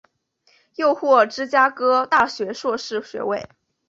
又获芝加哥大学硕士学位。